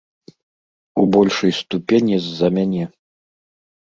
У большай ступені з-за мяне.